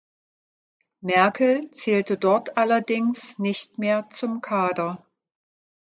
Merkel zählte dort allerdings nicht mehr zum Kader.